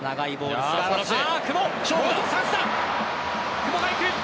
久保がいく。